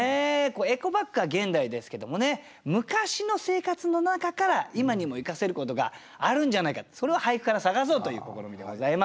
エコバッグは現代ですけどもね昔の生活の中から今にも生かせることがあるんじゃないかってそれを俳句から探そうという試みでございます。